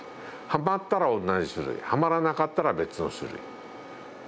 はまったら同じ種類はまらなかったら別の種類。